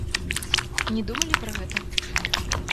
Не думалі пра гэта?